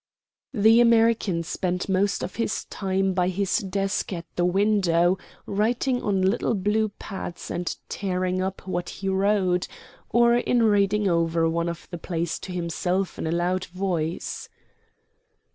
The American spent most of his time by his desk at the window writing on little blue pads and tearing up what he wrote, or in reading over one of the plays to himself in a loud voice.